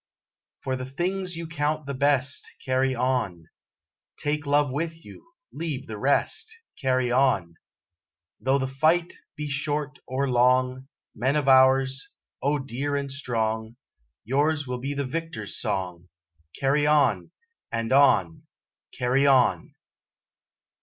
For the things you count the best, Carry on! Take love with you, leave the rest Carry on! Though the fight be short or long, Men of ours O dear and strong Yours will be the Victor's song, Carry on and on! Carry on!